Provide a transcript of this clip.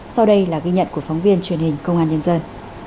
sau đây là ghi nhận của phóng viên truyền hình công an nhân dân